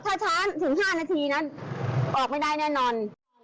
ถ้าช้าถึง๕นาทีนะออกไม่ได้แน่นอน